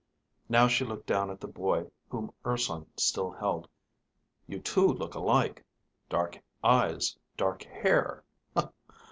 Now she looked down at the boy whom Urson still held. "You two look alike. Dark eyes, dark hair."